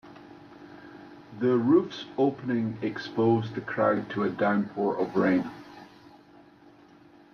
The roof's opening exposed the crowd to a downpour of rain.